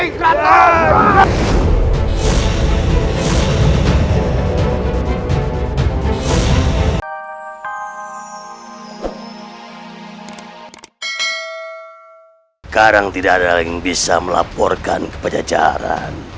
sekarang tidak ada yang bisa melaporkan ke pajajaran